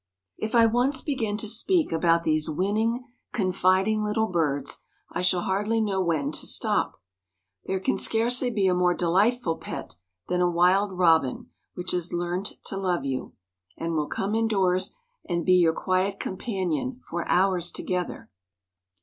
If I once begin to speak about these winning, confiding little birds, I shall hardly know when to stop. There can scarcely be a more delightful pet than a wild robin which has learnt to love you, and will come indoors and be your quiet companion for hours together.